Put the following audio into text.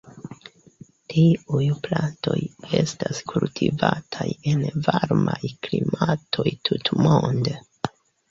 Tiuj plantoj estas kultivataj en varmaj klimatoj tutmonde.